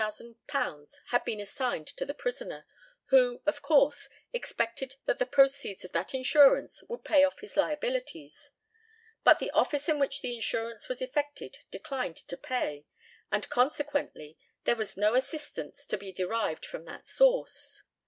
His life had been insured, and the policy for £13,000 had been assigned to the prisoner, who, of course, expected that the proceeds of that insurance would pay off his liabilities; but the office in which the insurance was effected declined to pay, and consequently there was no assistance to be derived from that source.